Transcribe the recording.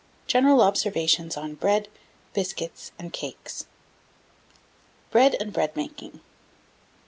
GENERAL OBSERVATIONS ON BREAD, BISCUITS, AND CAKES. BREAD AND BREAD MAKING.